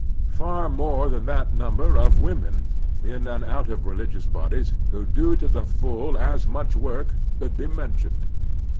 Par more than that number of women, in and out of religious bodies, who do to the full as much work, could be mentioned.